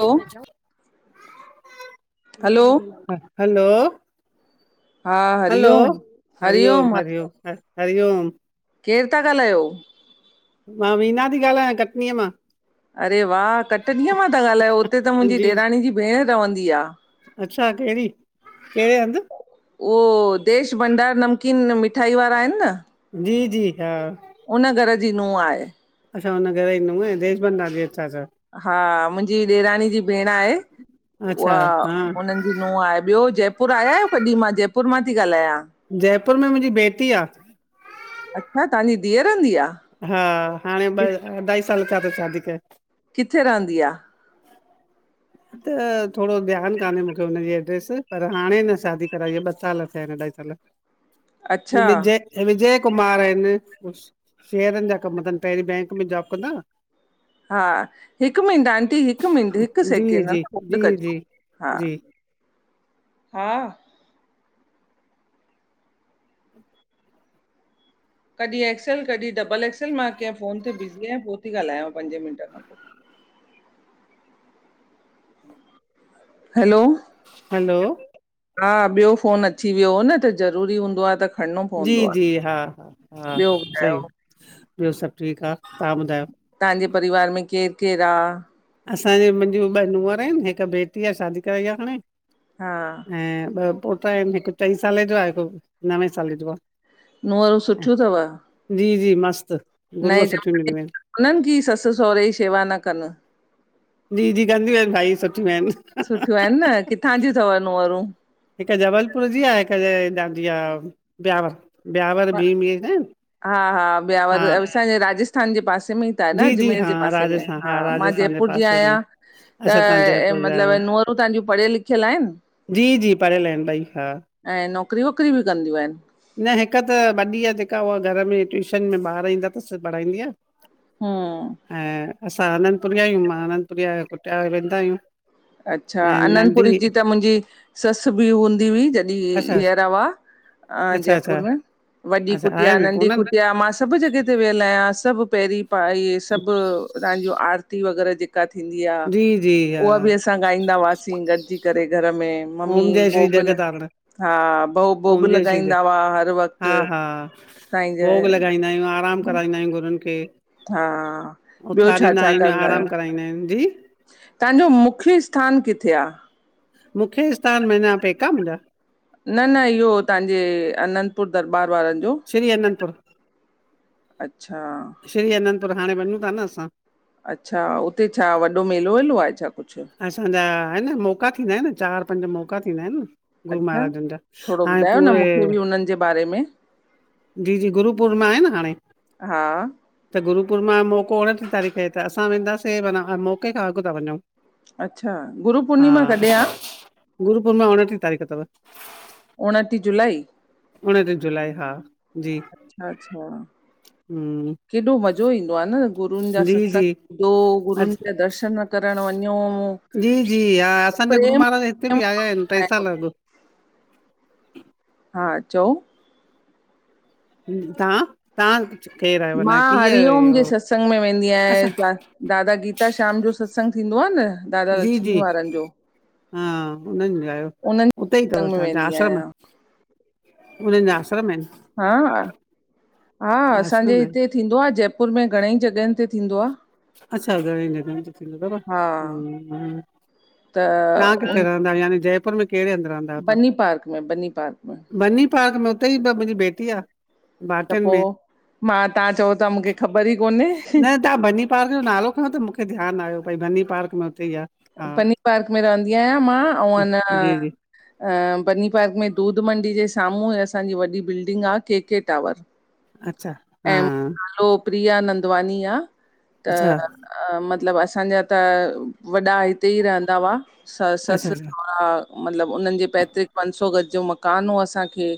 हलो जय hello Jhulelal! Hello हा hello! हरिओम हरिओम, हरिओम ह हरिओम! केर ता ॻाल्हायो? मां वीना ती ॻाल्हायां, कटनीअ मां। अरे वाह कटनी अ मां ता ॻाल्हायो! उते त मुंहिंजी ॾेरानी जी भेण रवंदी आ। अच्छा केड़ी, केड़े हंध? उहो देश भंडार नमकीन मिठाई वारा आहिन न जी जी, हा उन घर जी नूंह आहे। अच्छा, हुन घर जी नूंह‌ आहे, देश भंदार जी, अच्छा अच्छा। हा, मुंहिंजी ॾेरानी जी भेण आहे, अच्छा उहा हा उनिन नूंह आहे। ॿियो जयपुर आया आहियो कॾहिं मां जयपुर मां थी ॻाल्हायां? जयपुर में मुंहिंजी बेटी आ। अच्छा तहांजी धीअ रहंदी आ! हा, हाणे ॿ अढाई साल थिया तस शादी कये। किथे रहंदी आ? त थोड़ो ध्यानु कान्हे मूंखे हुनजी एड्रेस पर हाणे अंञा शादी कराई आ, ॿ साल थिया आहिन अढाई साल। अच्छा विजय [unintelligible] ऐं विजय कुमार आहिन, शेयरनि जा कम तनि, पहिरीं बैंक में जॉब कंदा हा। हा हिकु मिंट आंटी, हिकु मिंट, हिकु जी सेकेंड हं जी होल्ड जी जी कजो हा। जी हा ह [inaudible] कॾहिं एक्सल, कॾहिं डबल एक्सल, मां कंहिं फोन ते बिज़ी आहियां, पो ती ॻाल्हायांव पंज मिंट खां पो। हम [inaudible] हलो हलो हा ॿियो फोन अची वियो हो न, त ज़रूरी हूंदो आ त खणणो पवंदो जी- जी, हा आहे हा- ॿियो ॿुधायो सही, ॿियो सभु ठीकु आ तव्हां ॿुधायो? तव्हांजे परिवार में केरु केरु आ? असांजी मुंहिंजूं ॿ नूंंहर आहिन, हिकु बेटी आ शादी कराई आ हाणे। हा ऐं ॿ पोटा आहिन, हिकु चईं साले जो आ, हिकु नवें साले जो आ। नूंहंरूं सुठियूं थव? जी जी, मस्त! नए ज़माने जी त कोनन कि ससु सहुरे जी शेवा न कनि? जी- जी, कंदियूं आहिन, ॾाढी सुठियूं आहिन। सुठियूं आहिन न, किथां जी थव नूंहरूं? हिकु जबलपुर जी आ, हिक हेॾांजी आ बियावर ब्यावर ॿि -ॿि न! हा- हा हा ॿयावर असांजे राजस्थान जे पासे में त न जी जी अजमेर हा जे पासे में आ, राजस्थान हा मां राजस्थान जे जयपुर जी पासे में आयां त अच्छा तव्हां जयपुर जा मतिलब आहियो नूंहर त तहांजीयूं पढ़ियल लिखियल आहिन? जी- जी पढ़ियल आहिन ॿई‌, हा। ऐं नौकिरी वौकिरी बि कंदियूं आहिनि न हिकु त वॾी आ, जेका उहा घर में ट्यूशन में ॿार ईंदा थसि, पढ़ाईंदी आ। हा ऐं असां आनंदपुरी आहियूं, मां आनंदपुरिया कुटिया वेंदा आहियूं। अच्छा ऐं नंढी अआनंदपुरी जी त मुंहिंजी ससु बि हूंदी हुई अच्छा, जॾहिं जिअरा हुआ। अ अच्छा, अच्छा, जयपुर में वॾी अच्छा कुटिया, आहिनि नंढी कोन्हनि? कुटिया सभु जॻह ते वियल आहियां, सभु पहिरीं पाई, सभु तव्हांजूं आरती वग़ैरह जेक थींदी आ, जी, जी हा। उहा बि असां गाईंदा हुआसीं गॾिजी करे घर में। ममी ओम जय श्री भोॻ ल जगतारण, हा भो, ओम भोॻ जय श्री जग लॻाईंदा हुआ हर हा, वक़्तु। हा, साईं भोॻ जन लॻाईंदा आहियूं, आराम कराईंदा आहियूं, गुरुनि खे। हा, ॿियो छा- उथारींदा छा आहिनि, कंदा आराम आहियो? कराईंदा आहिनि, जी तव्हांजो, मुख्य स्थानु किथे आह? मुखे स्थान, मञा, पेका मुंहिंजा? न- न इहो तव्हांजे, अनंदपुर दरॿार वारनि जो। श्री अननपुर। अच्छा। श्री अनंदपुर, हाणे वञू था न असां। अच्छा, उते छा वॾो मेलो- वेलो आहे छा कुछ? असांजा, आहिनि न मौका थींदा आहिनि, चारि पंज मौका थींदा आहिनि न। गुर अच्छा महाराजनि जा, थोरो हाणे ॿुधायो न पूरे मूंखे बि उन्हनि जे बारे में जी- जी गुरू पुर्णिमा आहे न, हाणे। हा। त गुरुपूर्णिमा जो मक़ो उणटीह तारीख़ आहे त असां वेंदासें, माना मौके खां अॻु था वञऊं। अच्छा, गुरु पूर्णिमा कॾहिं आ। गुरु पूर्णिमा, उणटीह तारीख़ तव। उणटी जुलाई? उणटीह जुलाई हा, जी, अच्छा अच्छा हुं। केॾो मज़ो ईंदो आहे न, गुरनि जा सत्संग जी ॿुधो अ गुरनि जा दर्शन करणु वञो। जी- जी, हा, असांजा गुरू प्रेम महाराज हिते प्रेम बि आया आहिनि, टे साल अॻ। हा, चओ। तहां। तहां च् केर? मां हरिओम जे सत्संग में वेंदी अच्छा आहियां। दादा गीता श्याम जो सत्संग थींदो आह न, दादा जी लक्ष्मी जी वारनि जो। हा हुननि लाइयो उन्हनि उते ई अथव, सत्संग में तव्हांजा वेंदी आश्रम। आहियां उन्हनि जा आश्रम आहिनि? हां, हां, हा, असांजे आश्रम आहिनि हिते थींदो आह, जयपुर में घणेई जॻहियुनि ते थींदो आह। अच्छा, घणंई जॻहिंनि ते थींदो तव। हुं त तहां किथे उन- रहो? घर यानी जयपर में कहिड़े हंदि? बनी पार्क में, बनी पार्क में। बनी पार्क में, उते ई मुंहिंजी बेटी आह। त पो, मां तव्हां चओ था मूंखे ख़बर ई कोन्हे। तहां बनी पार्क जो नालो खयों, त मुखे ध्यानु आयो। भई बनी पार्क में हुते ई आह। बनी पार्क में रहंदी आहियां मां ओं अ न जी जी अ बनी पार्क में दूध मंडी जे साम्हूं ई असांजी वॾी बिल्डिंग आह केके टावर। अच्छा हा ऐं मुं जो प्रिया नंदवानी आहे त अच्छा अ मतिलबु असांजा त, वॾा हित उते ई रहंदा हुआ, सस अच्छा ससु अच्छा [unintelligible] मतिलबु उन्हनि जे पैतृक पंन सौ गज जो मकान हो असांखे।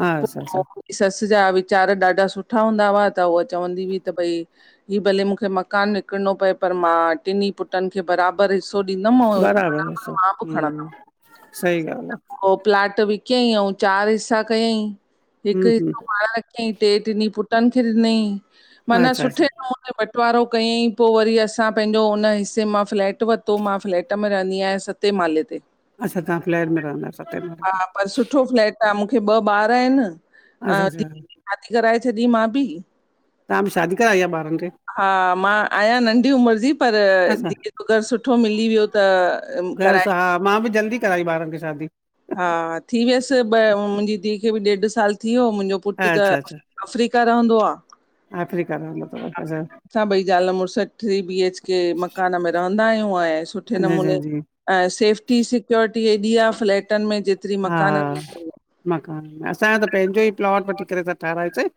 हा, सर सर [unintelligible] ससु जा वीचार ॾाढा सुठा हूंदा हुआ त, उहा चवंदी हुई त भई हीउ भले मूंखे मकानु विकिणणो पए, पर मां टिनी पुटनि खे बरा पर हिसो ॾींदम मां, बराबरि आहे सो मां बी हम्म खणंदम सही ॻाल्हि आहे पो प्लाट बि कियईं अऊं चार हिसा कयईं। हिक हम्म हम्म हिसो पाण टे टिनींन पुटन खे ॾिनई। माना अच्छा अच्छा सुठे नमूने बंटवारो कयईं पो वरी असां पैंजो उन हिसे मां फ्लैट वरितो मां, फ्लैट में रहंदी आहियां। सते माले ते। अच्छा, तव्हां फ्लेट में रहंदा आयो सते हा माले पर सुठो फ्लैट आ, मुखे ॿ ॿार आहिन अच्छा अ धीअ अच्छा जी शादी कराए छॾी मां बि। तहां बी शादी कराई आ ॿारन खे? हा, मां आयां नंढी उमिर जी। पर, अच्छा धीअ जो घर सुठो मिली वियो त घर कराए सां हा, मां बि जल्दी कराई ॿारन खे शादी। हा, थी वियस ॿ मुंजी धीउ खे बी ॾेढ साल थी वियो, मुंजो पुटु त अच्छा अफ्रीका रहंदो आ। आफ्रिका रंदो आ। असां ॿई ज़ाल मुड़स थ्री बी एच के मकान में रहंदा आयूं ऐं सुठे जी जी नमूने जी ऐं सेफ्टी सिक्योरिटी हेॾी आ फ्लैटन में जेतिरी मकाननि हा, में कोन्हे। मकान में असांजो त पंहिंजो ई प्लॉट वठी करे असां ठारायोसीं।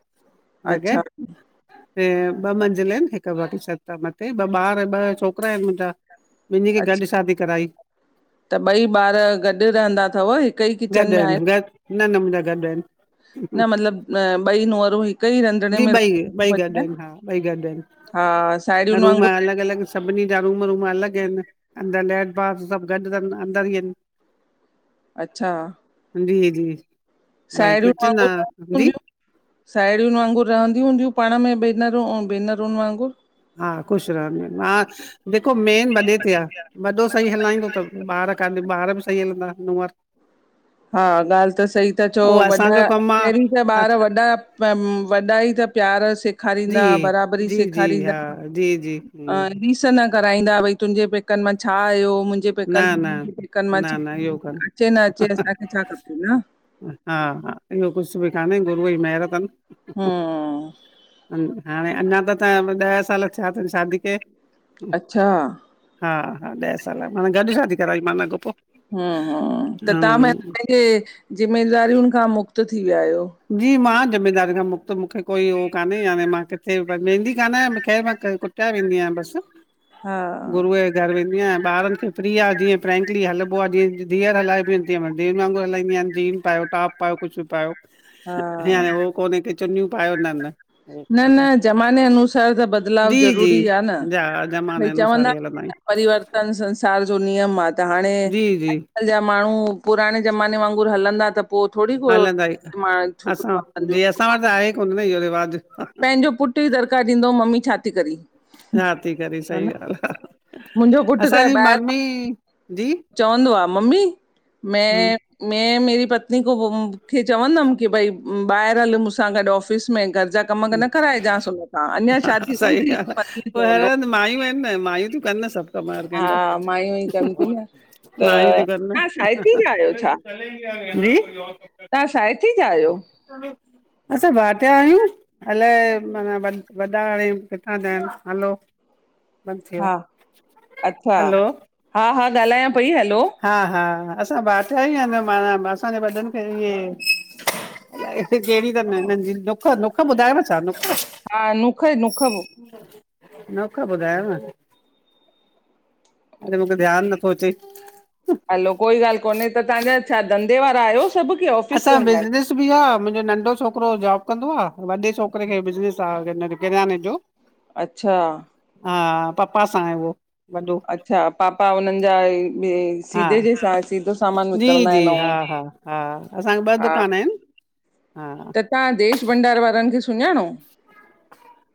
जॻह अच्छा ऐं ॿ मंज़िल आहिन। हिक वॾी छत आ मथे, ॿ ॿार ॿ छोकरा आहिन मुंजा‌। ॿिनीन खे गॾ अच्छा शादी कराई। त ॿई ॿार गॾ रहंदा अथव हिक ई गॾ किचन में आहिन आहिनि गॾ, न न मुंहिंजा गॾ आहिन। मतिलबु न, ॿई नुहरूं हिक ई रंधिणे जी, में ॿई रोटी थियूं ॿई गॾ आहिन पचाइनि हा, ॿई गॾ हा आहिन साहेड़ियुनि रूम वांगुरु अलॻ अलॻ सभनीं जा रूम रूम अलॻ आहिन। अंदर लैट बाथ सभ गॾ तन अंदर ई आहिन। अच्छा जी, जी भई साहेड़ियूं किचन आहे जी वांगुर साहेड़ियुन वांगुर रहंदी हूंदियूं पाण में भेनरूं अऊं भेनरुन वांगुर हा, ख़ुशि रहंदियूं आहिन, हा, जेको मेन वॾे ते आ वॾो सही हलाईंदो त ॿार कानी ॿार बि सही हलंदा नूंहर हा, ॻाल्ह त सही त चओ, उहो वॾा असांजो कमु आ पेहिरीं त अ, ॿार वॾा वॾा ई त प्यार सिख जी सेखारींदा, बराबरी जी जी सेखारींदा हा जी जी अ हूं रीस न कराईंदा, भई तुंजे पैक पेकन मां छा आयो? मुंजे न पेकन, न पेकन मां न न इहो कान अचे न अचे। अ छा खपे न। हा, हा इयो कुछ बि काने, गुरूअ जी मेहिर तन। हूं हाणे, अञा त त ॾह साल छा तन शादी खे। अच्छा हा, हा ॾह साल माना गॾ शादी कराई माना अॻो पो। ह ह त तव्हां हूं पैंजे ज़िमेदारियुन खां मुक्त थी विया आयो। जी, मां ज़िमेदारुन खां मुक्त मूंखे कोई हो कान्हे। हाणे मां किथे व वेंदी कान आयां ख़ैर मां कुटिया वेंदी आ बस, हा गुरूअ जे घर वेंदी आहियां ॿारनि खे फ्री आहे जीअं फ्रंकली हलबो आहे जीअ धीयर हलाइबी आहिनि तीअं धीयर वागुरु हलादीयां जीअं पायो टॉप पायो कुझु पायो याने हा उ कोनहे की चुनियूं पायो न न न न ज़माने अनुसार त बदिलाव जी जी ज़रूरी आहे न जा ज़माने भई अनुसार चवंदा ई हलंदा आहियूं परिवर्तन संसार जो नियम आहे त हाणे जी जी अॼु जा माण्हू पुराणे ज़माने वांगुरु हलंदा त पोइ थोरी को हलंदा ई मां असां छोकिरियूं कंदियूं जी असां वटि त आहे ई कोन न इहो रिवाजु पंहिंजो पुटु ई दरकारु ॾींदो हु ममी छा थी करी न थी करे सही ॻाल्हि आहे मुंहिंजो पुटु त ॿाहिरि जी चवंदो आहे मम्मी हूं मैं मै मेरी पत्नी को खे चवंदमि की भई ॿाहिरि हल मूंसां गॾु ऑफ़िस में करजा कम न कराइजांसि उन तां अञा शादी सही कोन्ह ॻाल्हि थी आ [inaudible] पोइ हर पवंदो हंधि मायूं आहिनि न मायूं तूं कनि न सभु कम कंहिंजा हा मायूं ई कनि थियूं न त मायूं ती कनि न तव्हां साइती जा आहियो ह छा ह ह नहीं तव्हां साय थी [unintelligible] जा आहियो असां भाटिया आहियूं अलाए माना व वॾा हाणे किथां था आहिनि हलो बंदि थी वियो हा अच्छा हलो हा हा ॻाल्हायां पई हलो हा हा असां भाटिया ई आहिनि माना असांजे वॾनि खे इहे हिते कहिड़ी अथ हिननि जी नुख नुख ॿुधायव छा नुख हा नुख नुख नुख ॿुधायो न अरे मूंखे ध्यानु नथो अचे हलो कोई ॻाल्हि कोन्हे त तव्हांजा छा धे वारा आहियो सभु की ऑफिस असां वेंदा आहिनि बिज़नेस मुंहिंजो नंढो छोकिरो जॉब कंदो आहे वॾे छोकिरे खे बि बिज़नस आहे किरयाने जो अच्छा हा पप्पा सां आहे उहो वॾो अच्छा पापा उन्हनि जा ॿि हा सीधे जेस सीधो सामान जी विकिणंदा जी आहिनि हा ऐं हा हा असांखे ॿ हा दुकान आहिनि हा त तव्हां देश भंडार वारनि खे सुञाणो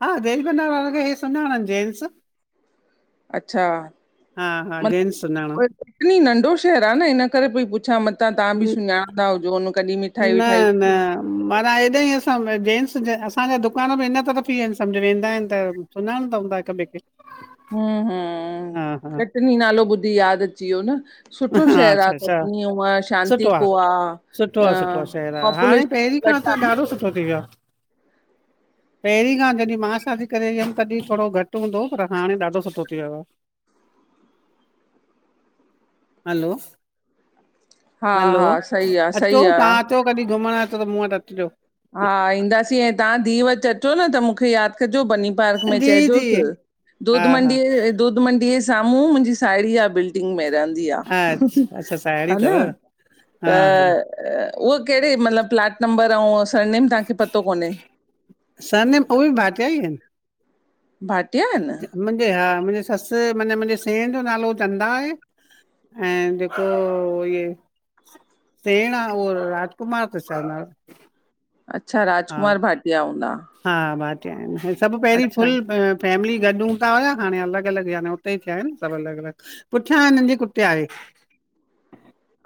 हा देश भंडार वारनि खे हे सुञाणनि जेंट्स अच्छा हा हा जेन्ट्स सुञाणनि तनी नंढो शहररु आहे न इन करे पई पुछां मतां तव्हां बि सुञाणंदा हुजो हुन कॾहिं मिठाई न विठाई न माना हेॾा ई असां जेेंट्स असांजा दुकान बि इन तरफ़ ई आहिन सम्झि वेंदा आहिन त सुञाणदा हूंदा हिक बे खे हम हम हा हा कटनी नालो ॿुधी यादि अची वियो न सुठो हा शहरु अच्छा आहे अच्छा कटनी ऊअं शांति सुठो आ को आहे सुठो आहे सुठो आहे शहर आहे हाणे पॉपुलेशन पहिरीं खां घटि त आहे न ॾाढो सुठो थी वियो आहे [inaudible] पहिरीं खां जॾहिं मां शादी करे व हुयमि तॾहिं थोरो घटि हूंदो पर हाणे ॾाढो सुठो थी वियो आहे हलो हा हलो हा सही आहे अचो सही आहे तव्हां अचो कॾहि घुमण त मूं वटि अचिजो हा ईंदासीं ऐं तव्हां धीउ वचु अचो न त मूंखे यादि कंजो बनी पार्कु में जी चैयजोस, जी हा दूध- हा मंडी दूध- मंडीअ जे साम्हूं मुंहिंजी सायड़ी आ। बिल्डिंग में रहंदी हंदी आ, अच्छा अच्छा साहेड़ी अथव हनि- हा हा त उहे केहिड़े, मतिलबु प्लाट नंबरु अऊं सरनेम तव्हांखे पतो कोन्हे। सरनेम, उहे बि भाटिया ई आहिनि। भाटिया आहिनि? मुंहिंजे हा मुंहिंजी ससु माना मुंहिंजे सेणु जो नालो चंदा आहे। ऐं जेको इये सेणु आ, उहो राजकुमार तसि शायदि नालो। अच्छा हा राजकुमार भाटिया हूंदा? हा भाटिया आहिन। हे सभु पेहिरीं अच्छा फुल फैमिली गॾु हुंदा हुया। हाणे अलॻि- अलॻि याने हुते ई थिया आहिनि, सभु अलॻि -अलॻि। पुठियां हिननि जी कुटिया आहे।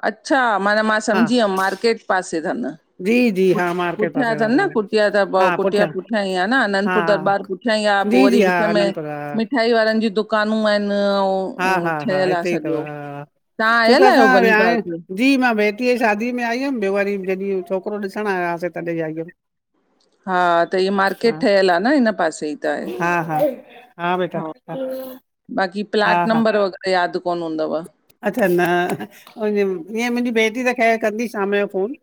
अच्छा! माना मां हा सम्झी वियमि, मार्केट पासे तनि। जी जी पु हा मार्केट पुठियां पासे तनि रहंदा न आहिनि कुटिया, त कुटिया पुठियां ई आ न हा आनंदपुर हा दरॿारु पुठियां ई आ, जी पोइ जी वरी हा विच में आनंदपुर हा मिठाई वारनि जी दुकानू आहिनि, अऊं हा- हा- हा हिते ई तव हा, तव्हां छो त आयल आहियो असां बनी विया पार्क में जी मां भेटीअ जी शादी में आई हुअमि। ॿियो वरी जॾहिं छोकिरो ॾिसणु आयासें, तॾहिं आई हुअमि। हा त हिय मार्केट ठहियलु आ न, हिनि पासे ई त आहे, हा, हा, हा। बाक़ी हा प्लाट- हा नंबरु वगैरह यादि कोन हूंदव? अच्छा न, ईअं मुंहिंजी भेटी त ख़ैरु कंदी शामु जो फ़ोनु।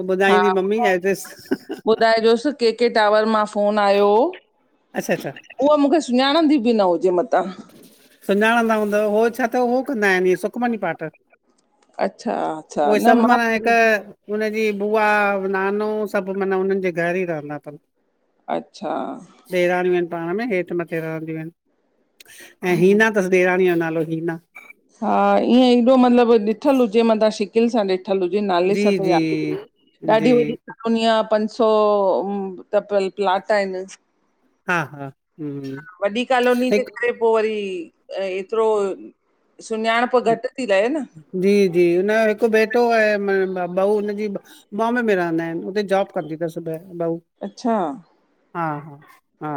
पोइ ॿुधाईंदी मम्मी हा एड्रेस। ॿुधाइजोसि के- के टावर मां फ़ोनु आयो हो। अच्छा -अच्छा। उहा मूंखे सुञाणंदी बि न हुजे मतां। सुञाणंदा हूंदव, हो छा त हो कंदा आहिनि, इ सुखमनी पाठु। अच्छा अच्छा उहे न सभु मां माना हिकु हुनजी बुआ- नानो सभु माना उन्हनि जे घरु ई रहंदा तनि। अच्छा। ॾेराणियूं आहिनि पाणु में, हेठि- मथे रहंदियूं आहिनि। ऐं हम्म, हीना तसि ॾेराणिअ जो नालो, हीना। हा ईअं एॾो मतलबु ॾिठलु हुजे, मथां शिकिल सां ॾिठ ठिल हुजे, नाले जी सां त जी यादिगिरी जी ॾाढी- वॾी पुनिया पंज सौ त प्लाट आहिनि। हा- हा वॾी कॉलोनी जे हिकु करे पोइ वरी एतिरो सुञाणपि घटि ती लहे न,? जी- जी हुनजो हिकु बेटो ऐं ॿ ॿहु हुनजी बाम्बे में रहंदा आहिनि, उते जॉबु कंदी तसि ॿऊ। अच्छा? हा- हा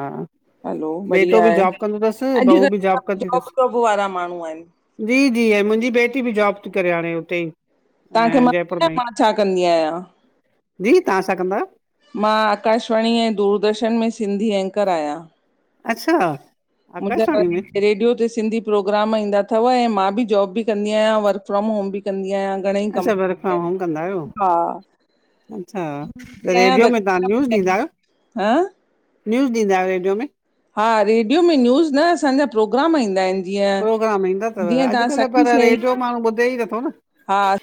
हलो बेटो बढ़िया बि आहे जॉबु कंदो तसि, बहू बि जॉबु कंदी तसि। हो वारां माण्हूं आहिनि। जी -जी ऐं मुंहिंजी बेटी बि जॉबु ती करे हाणे उते ई। तव्हांखे ऐं मां जयपुर ॿु में मां छा कंदी आहियां? जी तां सा कंदायो? मां आकाशवाणी ऐं दूरदर्शन में सिंधी एंकर आहियां। अच्छा। मुंहिंजा आकाशवाणी में अलाइ रेडियो ते सिंधी प्रोग्राम ईंदा अथव, ऐं मां बि जॉब बि कंदी आहियां वर्क फ्रॉम होम बि कंदी आहियां। घणेई कम अच्छा वर्क फ्राम होम कंदा आहियो हा अच्छा त हं रेडियो में तहां न्यूज़ ॾींदा आहियो? हा न्यूज़ ॾीदा आहियो रेडियो में? हा रेडियो में न्यूज़ न असांजा प्रोग्राम ईंदा आहिन। प्रोग्राम ईंदा अथव अॼुकल्ह पर सहेली रेडियो माण्हू ॿुधे ई नथो न। हा।